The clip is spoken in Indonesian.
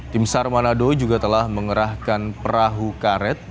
tim sar manado juga telah mengerahkan perahu karet